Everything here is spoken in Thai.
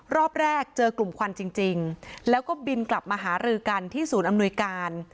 รอบแรกเจอกลุ่มควันจริงแล้วก็บินกลับมาหารือกันที่ศูนย์อำนวยการ